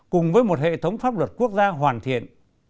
cùng với một hệ thống pháp luật quốc gia hoàn thiện